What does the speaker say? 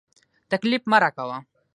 تکليف مه راکوه.